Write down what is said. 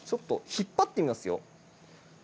引っ張ってみますよ。